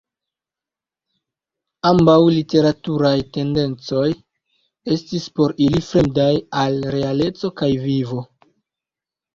Ambaŭ literaturaj tendencoj estis por ili fremdaj al realeco kaj vivo.